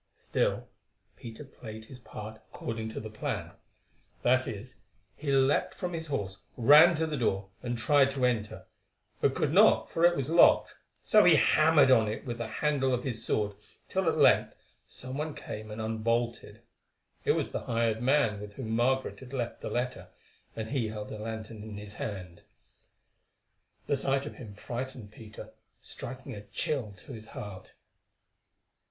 Still, Peter played his part according to the plan; that is, he leapt from his horse, ran to the door and tried to enter, but could not for it was locked, so he hammered on it with the handle of his sword, till at length some one came and unbolted. It was the hired man with whom Margaret had left the letter, and he held a lantern in his hand. The sight of him frightened Peter, striking a chill to his heart.